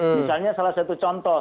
misalnya salah satu contoh